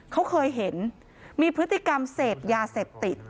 เขาเคยเห็นมีพฤติกรรมเสพยาเสพติด